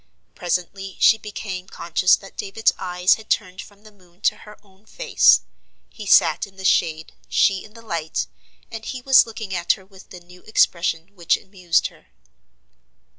Presently she became conscious that David's eyes had turned from the moon to her own face. He sat in the shade, she in the light, and he was looking at her with the new expression which amused her.